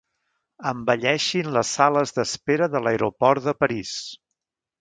Embelleixin les sales d'espera de l'aeroport de París.